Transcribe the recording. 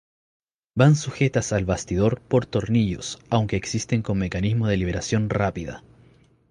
Van sujetas al bastidor por tornillos aunque existen con mecanismos de liberación rápida.